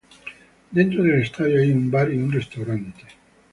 Dentro del estadio hay un bar y un restaurante.